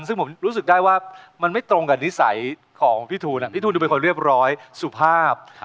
ซึ่งผมรู้สึกได้ว่ามันไม่ตรงกับนิสัยของพี่ทูลพี่ทูลดูเป็นคนเรียบร้อยสุภาพ